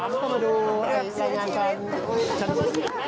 สามก็มาดูสังงานการชันนวษี